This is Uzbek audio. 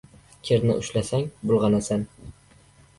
• Kirni ushlasang bulg‘anasan.